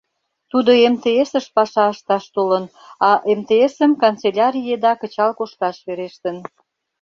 Тудо МТС-ыш паша ышташ толын, а МТС-ым канцелярий еда кычал кошташ верештын.